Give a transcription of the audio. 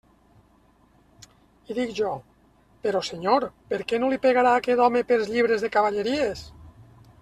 I dic jo, però Senyor, per què no li pegarà a aquest home pels llibres de cavalleries?